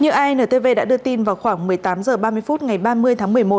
như antv đã đưa tin vào khoảng một mươi tám h ba mươi phút ngày ba tháng một mươi hai